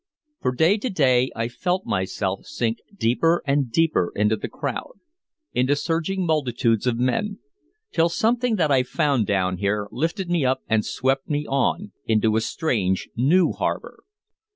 For day by day I felt myself sink deeper and deeper into the crowd, into surging multitudes of men till something that I found down there lifted me up and swept me on into a strange new harbor.